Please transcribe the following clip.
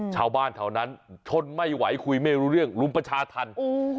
ชาวบ้านแถวนั้นทนไม่ไหวคุยไม่รู้เรื่องรุมประชาธรรม